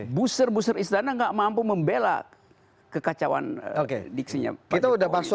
jadi busur buser istana gak mampu membelak kekacauan diksinya pak jokowi itu